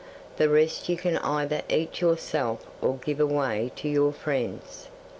The rest you can either eat yourself or give away to your friends."